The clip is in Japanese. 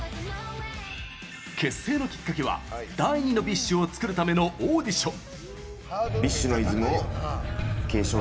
結成のきっかけは第２のＢｉＳＨを作るためのオーディション。